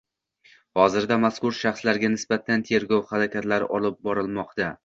Hozirda mazkur shaxslarga nisbatan tergov harakatlari olib borilmoqda